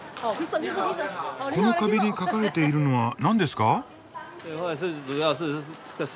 この壁に描かれているのは何ですか？